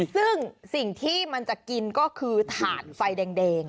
ซึ่งสิ่งที่มันจะกินก็คือถ่านไฟแดง